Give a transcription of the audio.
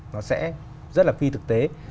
nó sẽ rất là phi thực tế